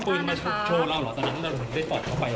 ปกติเราใช้เส้นนั้นบ่อยไหม